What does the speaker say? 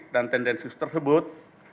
dan tendensis tersebut